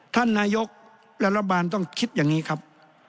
ท่านนายกและรัฐบาลต้องคิดอย่างนี้ครับ